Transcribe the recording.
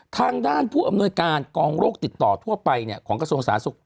ทางด้านผู้อำนวยการกองโรคติดต่อทั่วไปของกระทรวงสาธารณสุข